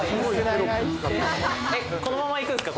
このまま行くんですか？